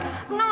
ayang jangan ya